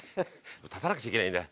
立たなくちゃいけないんだ。